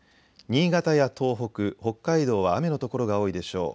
新潟や東北、北海道は雨の所が多いでしょう。